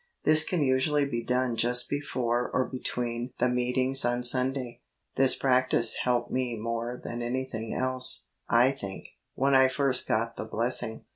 This can usually be done just before or between the Meetings on Sunday. This practice helped me more than anything else, I think, when I first got the blessing.